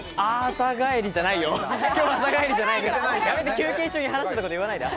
休憩中に話してたこと言わないで。